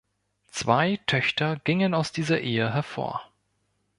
Zwei Töchter gingen aus dieser Ehe hervor.